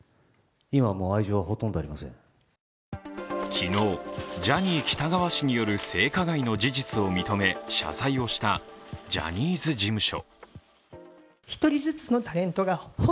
昨日、ジャニー喜多川氏による性加害の事実を認め謝罪をしたジャニーズ事務所。